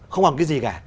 không còn cái gì cả